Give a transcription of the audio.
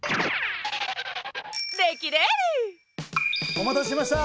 お待たせしました。